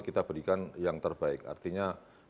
kita berikan yang terbaik artinya